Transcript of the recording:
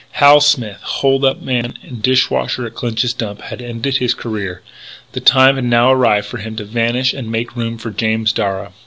Hal Smith, hold up man and dish washer at Clinch's Dump, had ended his career. The time had now arrived for him to vanish and make room for James Darragh.